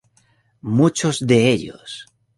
Muchos de ellos".